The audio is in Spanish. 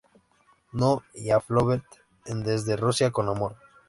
No" y a Blofeld en "Desde Rusia con amor".